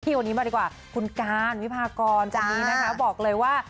คนนี้มาดีกว่าคุณการวิพากรคนนี้นะคะบอกเลยว่า